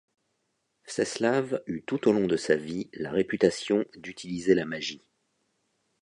Vseslav eut tout au long de sa vie la réputation d'utiliser la magie.